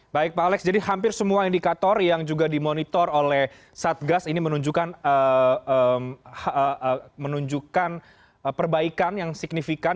baik pak alex jadi hampir semua indikator yang juga dimonitor oleh satgas ini menunjukkan perbaikan yang signifikan